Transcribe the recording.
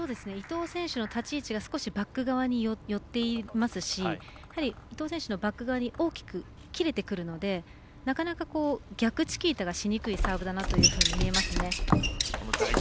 伊藤選手の立ち位置が少しバック側に寄っていますしやはり伊藤選手のバック側に大きく切れてくるのでなかなか逆チキータがしにくいサーブだなというふうに見えます。